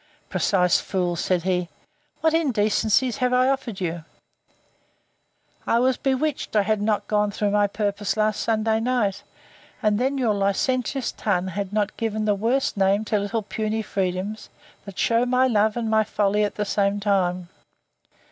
Precise fool! said he, what indecencies have I offered you?—I was bewitched I had not gone through my purpose last Sunday night; and then your licentious tongue had not given the worst name to little puny freedoms, that shew my love and my folly at the same time.